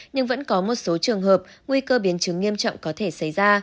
nhưng vẫn có một số trường hợp nguy cơ biến chứng nghiêm trọng có thể xảy ra